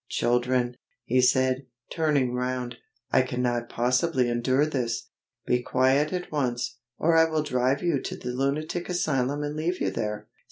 "Children," he said, turning round, "I cannot possibly endure this. Be quiet at once, or I will drive you to the Lunatic Asylum and leave you there!